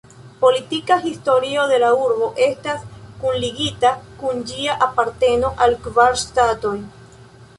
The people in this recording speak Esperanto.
Politika historio de la urbo estas kunligita kun ĝia aparteno al kvar ŝtatoj.